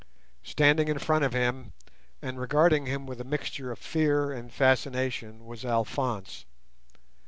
Standing in front of him, and regarding him with a mixture of fear and fascination, was Alphonse.